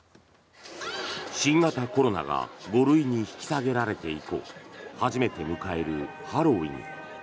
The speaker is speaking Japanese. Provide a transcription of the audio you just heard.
新型コロナが５類に引き下げられて以降初めて迎えるハロウィーン。